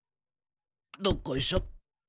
どっこいしょ。